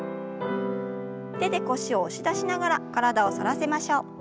手で腰を押し出しながら体を反らせましょう。